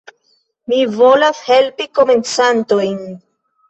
Mi volas helpi komencantojn